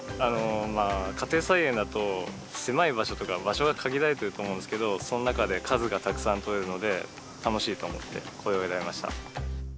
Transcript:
家庭菜園だと狭い場所とか場所が限られてると思うんですけどその中で数がたくさんとれるので楽しいと思ってこれを選びました。